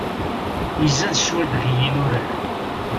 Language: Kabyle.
Izad ccwal deg yinurar.